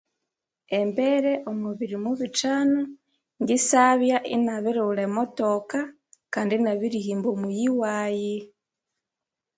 Embere omwa birimo bithano ngesabya inabirighulha emotoka, kandi inabirihimba omuyi wayi.